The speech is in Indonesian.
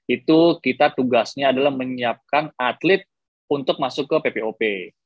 itu kita tugasnya adalah menyiapkan atlet untuk masuk ke ppop